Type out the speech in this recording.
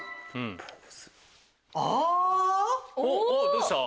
どうした？